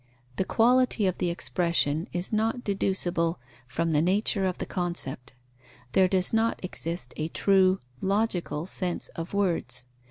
The quality of the expression is not deducible from the nature of the concept. There does not exist a true (logical) sense of words.